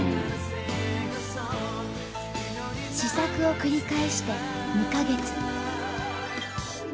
試作を繰り返して２か月。